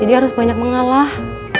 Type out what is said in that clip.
jadi harus banyak mengalah